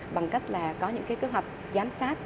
bằng cách có những kế hoạch giám sát